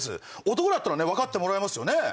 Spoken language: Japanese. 男だったら分かってもらえますよね？